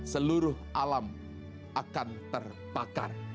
seluruh alam akan terbakar